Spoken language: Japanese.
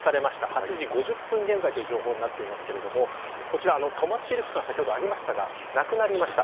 ８時５０分現在という情報になっていますが止まっている区間先ほどありましたがなくなりました。